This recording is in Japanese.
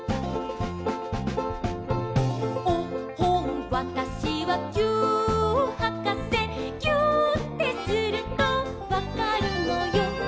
「おっほんわたしはぎゅーっはかせ」「ぎゅーってするとわかるのよ」